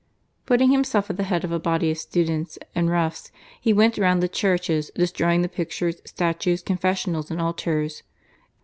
Putting himself at the head of a body of students and roughs he went round the churches destroying the pictures, statues, confessionals, and altars.